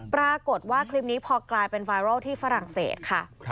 ปรากฏว่าคลิปนี้พอกลายเป็นไวรัลที่ฝรั่งเศสค่ะ